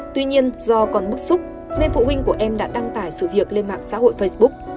tuy nhiên do còn bức xúc nên phụ huynh của em đã đăng tải sự việc lên mạng xã hội facebook